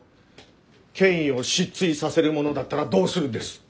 権威を失墜させるものだったらどうするんです？